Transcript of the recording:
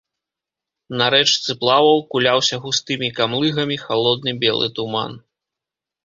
На рэчцы плаваў, куляўся густымі камлыгамі халодны белы туман.